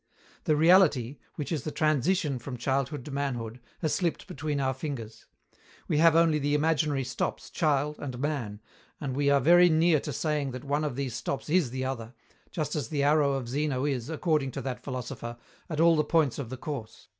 The reality, which is the transition from childhood to manhood, has slipped between our fingers. We have only the imaginary stops "child" and "man," and we are very near to saying that one of these stops is the other, just as the arrow of Zeno is, according to that philosopher, at all the points of the course.